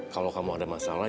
kalau kamu ada masalah